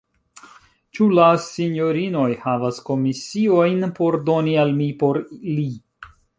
Ĉu la sinjorinoj havas komisiojn por doni al mi por li?